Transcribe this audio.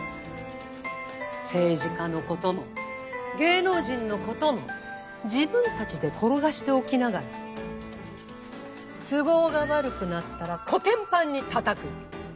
政治家のことも芸能人のことも自分たちで転がしておきながら都合が悪くなったらこてんぱんにたたく。